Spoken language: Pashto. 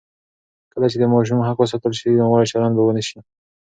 کله چې د ماشوم حق وساتل شي، ناوړه چلند به ونه شي.